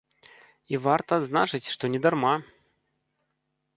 І варта адзначыць, што не дарма.